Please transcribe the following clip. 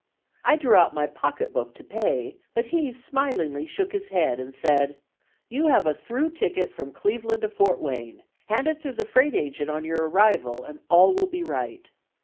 I drew out my pocket book to pay, but he smilingly shook his head, and said: "You have a through ticket from Cleveland to Fort Wayne; hand it to the freight agent on your arrival, and all will be right."